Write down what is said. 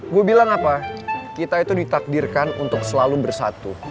gue bilang apa kita itu ditakdirkan untuk selalu bersatu